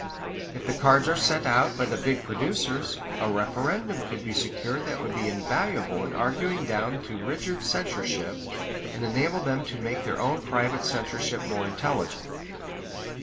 If the cards are sent out by the big producers, a referendum could be secured that would be invaluable in arguing down to rigid censorship, and enable them to make their own private censorship more intelligent.